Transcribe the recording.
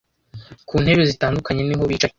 ku ntebe zitandukanye niho bicaye